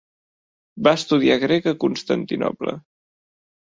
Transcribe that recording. Va estudiar grec a Constantinoble.